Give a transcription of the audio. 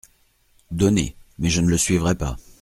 Donnez… mais je ne le suivrai pas.